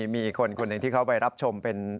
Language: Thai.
มีอีกคนคนหนึ่งที่เขาไปรับชมเป็น